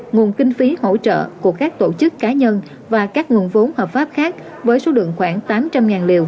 nguồn kinh phí hỗ trợ của các tổ chức cá nhân và các nguồn vốn hợp pháp khác với số lượng khoảng tám trăm linh liều